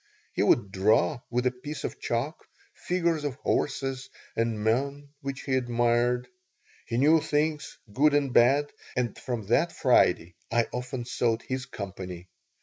He would draw, with a piece of chalk, figures of horses and men which we admired. He knew things, good and bad, and from that Friday I often sought his company.